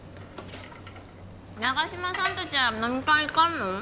長嶋さん達は飲み会行かんの？